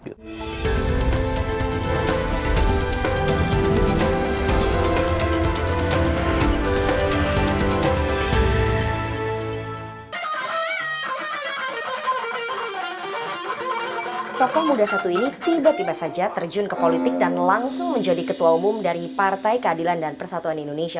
tokoh muda satu ini tiba tiba saja terjun ke politik dan langsung menjadi ketua umum dari partai keadilan dan persatuan indonesia